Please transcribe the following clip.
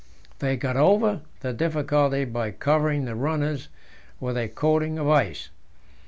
They get over the difficulty by covering the runners with a coating of ice.